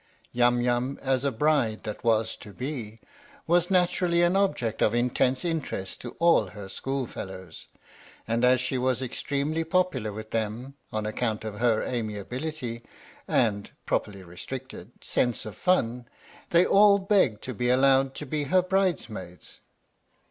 Yum Yum, as a bride that was to be, was natur ally an object of intense interest to all her school fellows, and as she was extremely popular with them on account of her amiability and (properly restricted) sense of fun, they all begged to be allowed to be her bridesmaids.